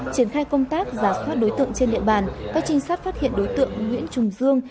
triển khai công tác giả soát đối tượng trên địa bàn các trinh sát phát hiện đối tượng nguyễn trùng dương